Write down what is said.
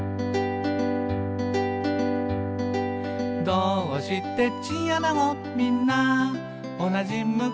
「どーうしてチンアナゴみんなおなじ向き？」